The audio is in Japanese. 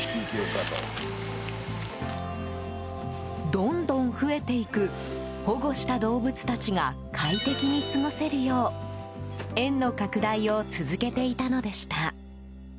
どんどん増えていく保護した動物たちが快適に過ごせるよう園の拡大を続けていたのでした。